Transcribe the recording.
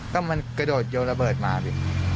ก็มันกระโดดโยนระเบิดมาพี่